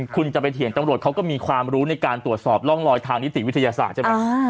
คุณจะไปเถียงตำรวจเขาก็มีความรู้ในการตรวจสอบร่องรอยทางนิติวิทยาศาสตร์ใช่ไหม